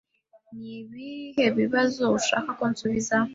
Ni ibihe bibazo ushaka ko nsubiza?